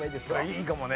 いいかもね。